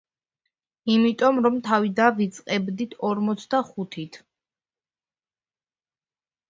იმიტომ, რომ თავიდან ვიწყებდით ორმოცდახუთით.